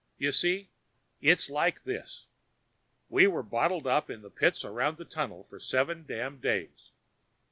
You see, it's like this: we were bottled up in the pits around the Tunnel for seven damn days.